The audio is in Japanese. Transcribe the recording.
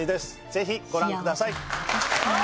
ぜひご覧ください。